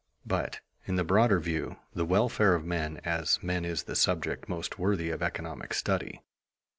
But, in the broader view, the welfare of men as men is the subject most worthy of economic study.